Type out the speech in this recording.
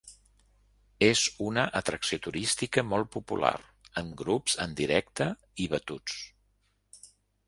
És una atracció turística molt popular, amb grups en directe i batuts.